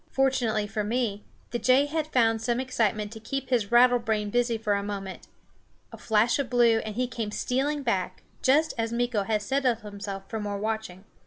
Fortunately for me, the jay had found some excitement to keep his rattle brain busy for a moment. A flash of blue, and he came stealing back, just as Meeko had settled himself for more watching.